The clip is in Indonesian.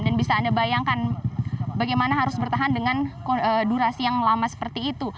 dan bisa anda bayangkan bagaimana harus bertahan dengan durasi yang lama seperti itu